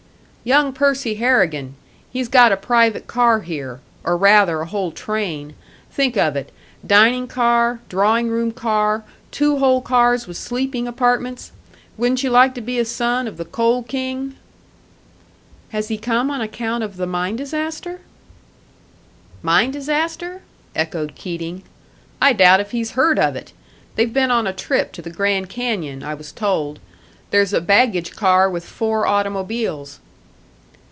"Young Percy Harrigan. He's got a private car here or rather a whole train. Think of it dining car, drawing room car, two whole cars with sleeping apartments! Wouldn't you like to be a son of the Coal King?" "Has he come on account of the mine disaster?" "Mine disaster?" echoed Keating. "I doubt if he's heard of it. They've been on a trip to the Grand Canyon, I was told; there's a baggage car with four automobiles."